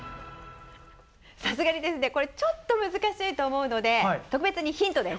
さすがにですねこれちょっと難しいと思うので特別にヒントです。